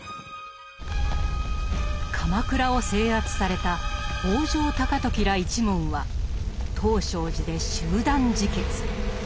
鎌倉を制圧された北条高時ら一門は東勝寺で集団自決。